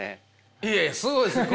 いやいやすごいです。